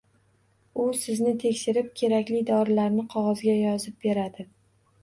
U sizni tekshirib, kerakli dorilarni qog‘ozga yozib beradi.